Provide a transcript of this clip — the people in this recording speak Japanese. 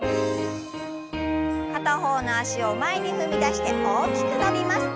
片方の脚を前に踏み出して大きく伸びます。